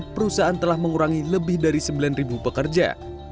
perusahaan telah mengurangi lebih dari sembilan pekerja